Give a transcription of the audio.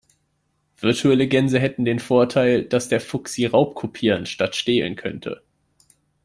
Virtuelle Gänse hätten den Vorteil, dass der Fuchs sie raubkopieren statt stehlen könnte.